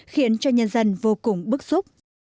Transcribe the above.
khiến cho nhân dân vô cùng bức xúc